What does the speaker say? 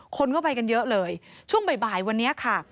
คนก็ไปกันเยอะเลยช่วงบ่ายวันนี้ค่ะ